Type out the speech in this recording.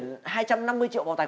thôi thôi thôi